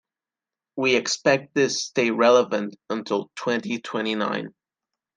We expect this stay relevant until twenty-twenty-nine.